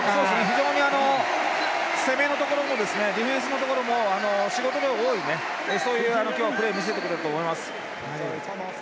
非常に攻めのところもディフェンスのところも仕事量が多い、そういう今日はプレー見せてくれたと思います。